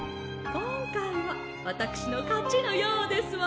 こんかいはわたくしのかちのようですわね。